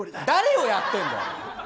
誰をやってんだよ！